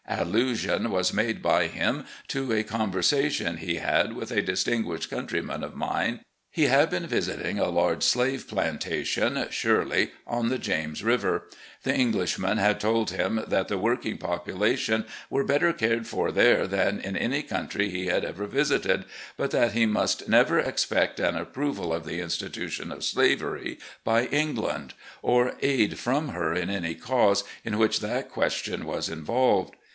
Allusion was made by him to a conversation he had with a distin guished countryman of mine. He had been visiting a large slave plantation (Shirley) on the James River. The Englishman had told him that the working popula tion were better cared for there than in any country he had ever visited, but that he must never expect an approval of the institution of slavery by England, or aid from her in any cause in which that question was involved.